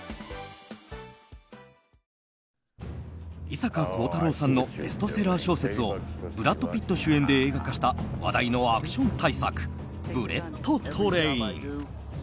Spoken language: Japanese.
伊坂幸太郎さんのベストセラー小説をブラッド・ピット主演で映画化した話題のアクション大作「ブレット・トレイン」。